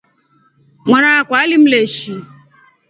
Mwanana akwa alimleshi.